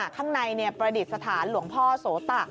ข้างในประดิษฐานหลวงพ่อโสตะ